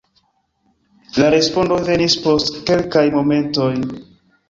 La respondo venis post kelkaj momentoj: